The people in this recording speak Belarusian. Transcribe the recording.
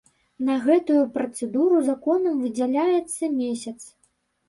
На гэтую працэдуру законам выдзяляецца месяц.